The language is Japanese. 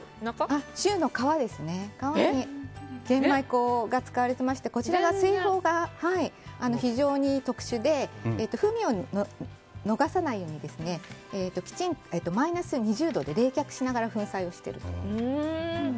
シューの皮に玄米粉が使われていましてこちらが製法が非常に特殊で風味を逃さないようにマイナス２０度で冷却しながら粉砕をしている。